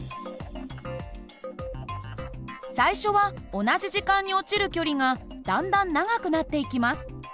最初は同じ時間に落ちる距離がだんだん長くなっていきます。